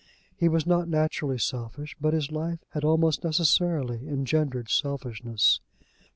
He was not naturally selfish, but his life had almost necessarily engendered selfishness.